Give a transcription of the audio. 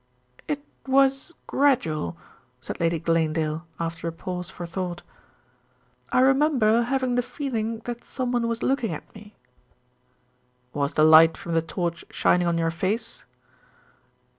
"It was gradual," said Lady Glanedale, after a pause for thought. "I remember having the feeling that someone was looking at me." "Was the light from the torch shining on your face?"